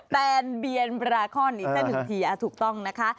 แนนเบียนบราคอนอีกสักหนึ่งทีถูกต้องนะคะ